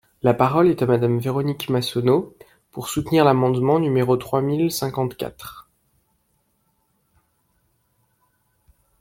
La parole est à Madame Véronique Massonneau, pour soutenir l’amendement numéro trois mille cinquante-quatre.